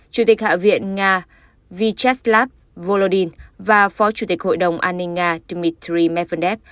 chủ tịch hạ viện nga vycheslav volodin và phó chủ tịch hội đồng an ninh nga dmitry medvedev